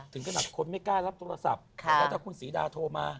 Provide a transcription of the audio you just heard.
ถึงขนาดคนไม่กล้ารับโทรศัพท์แล้วถ้าคุณศรีดาโทรมา